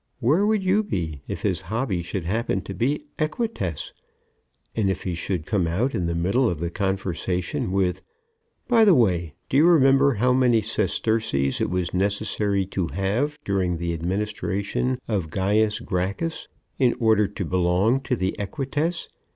Where would you be if his hobby should happen to be "equites "? And if he should come out in the middle of the conversation with "By the way, do you remember how many sesterces it was necessary to have during the administration of Gaius Gracchus in order to belong to the Equites?"